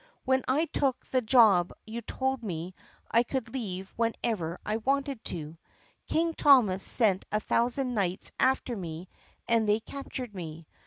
When I took the job you told me I could leave whenever I wanted to. King Thomas sent a thousand knights after me and they captured me.